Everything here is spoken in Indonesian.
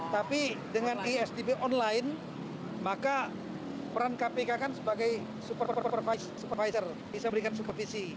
tapi dengan isdp online maka peran kpk kan sebagai supervisor bisa memberikan supervisi